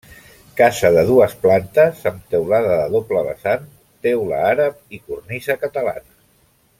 Casa de dues plantes, amb teulada de doble vessant, teula àrab i cornisa catalana.